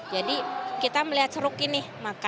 jadi kita melihat seru kini